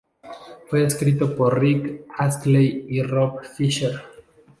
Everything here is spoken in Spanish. Fue escrito por Rick Astley y Rob Fisher.